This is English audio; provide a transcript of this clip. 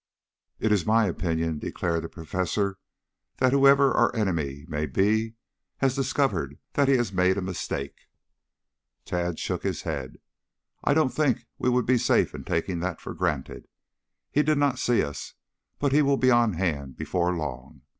"It is my opinion," declared the professor, "that, whoever our enemy may be, he has discovered that he has made a mistake." Tad shook his head. "I don't think we would be safe in taking that for granted. He did not see us, but he will be on hand before long.